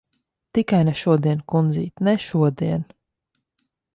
Tikai ne šodien, kundzīt. Ne šodien!